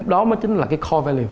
đó mới chính là cái core value